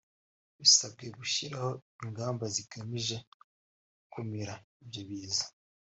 bisabwe gushyiraho ingamba zigamije gukumira ibyo biza